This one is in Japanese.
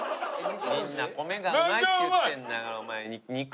みんな米がうまいって言ってるんだから。